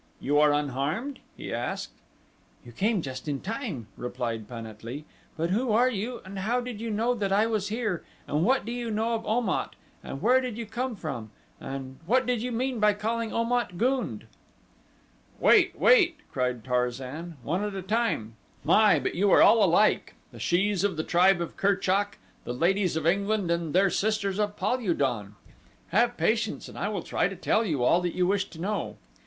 "You are unharmed?" he asked. "You came just in time," replied Pan at lee; "but who are you and how did you know that I was here and what do you know of Om at and where did you come from and what did you mean by calling Om at, gund?" "Wait, wait," cried Tarzan; "one at a time. My, but you are all alike the shes of the tribe of Kerchak, the ladies of England, and their sisters of Pal ul don. Have patience and I will try to tell you all that you wish to know.